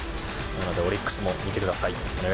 なので、オリックスも見てください。